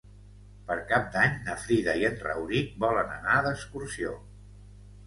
Per Cap d'Any na Frida i en Rauric volen anar d'excursió.